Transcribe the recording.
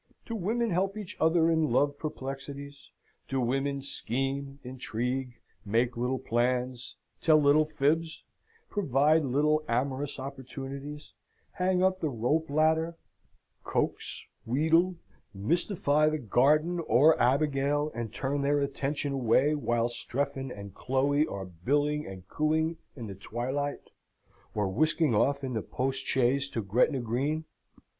Do women help each other in love perplexities? Do women scheme, intrigue, make little plans, tell little fibs, provide little amorous opportunities, hang up the rope ladder, coax, wheedle, mystify the guardian or Abigail, and turn their attention away while Strephon and Chloe are billing and cooing in the twilight, or whisking off in the postchaise to Gretna Green?